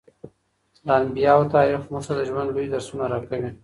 د انبیاوو تاریخ موږ ته د ژوند لوی درسونه راکوي.